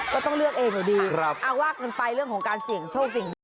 ไปเรื่องของการสิ่งที่โชคสิ่งที่สุด